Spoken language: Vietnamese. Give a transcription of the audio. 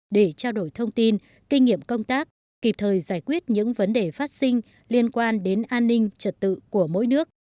để trao đổi thông tin kinh nghiệm công tác kịp thời giải quyết những vấn đề phát sinh liên quan đến an ninh trật tự của mỗi nước